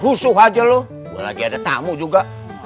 rusuh aja loh lagi ada tamu juga